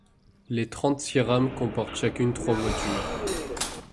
Les trente-six rames comportent chacune trois voitures.